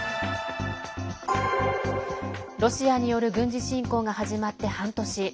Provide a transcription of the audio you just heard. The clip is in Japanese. ロシアによる軍事侵攻が始まって半年。